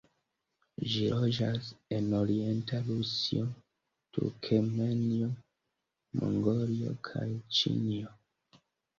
Ĝi loĝas en orienta Rusio, Turkmenio, Mongolio kaj Ĉinio.